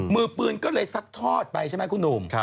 มือปืนก็เลยซัดทอดไปใช่ไหมคุณหนุ่ม